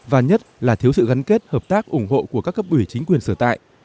và nhất là thiếu sự gắn kết hợp tác ủng hộ của các cấp ủy chính quyền sở tại